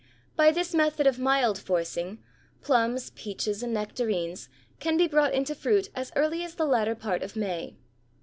By this method of mild forcing, plums, peaches, and nectarines can be brought into fruit as early as the latter part of May.